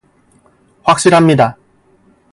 확실합니다.